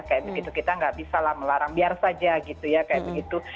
kayak begitu kita nggak bisa lah melarang biar saja gitu ya kayak begitu